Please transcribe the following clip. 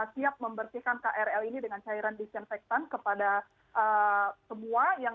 siap membersihkan krl ini dengan cairan disinfectant kepada semua